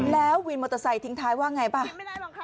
แล้ววินมอเตอร์ไซค์ทิ้งท้ายว่าไงป่ะ